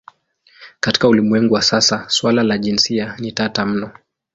Katika ulimwengu wa sasa suala la jinsia ni tata mno.